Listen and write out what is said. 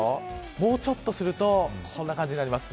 もうちょっとするとこんな感じになります。